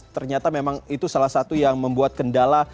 ternyata memang itu salah satu yang membuat kendala